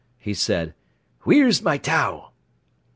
he said. "Wheer's my towel?"